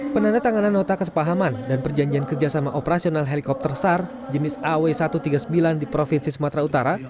penandatanganan nota kesepahaman dan perjanjian kerjasama operasional helikopter sar jenis aw satu ratus tiga puluh sembilan di provinsi sumatera utara